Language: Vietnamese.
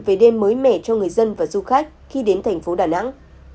về đêm mới mẻ cho người dân và du khách khi đến thành phố đà nẵng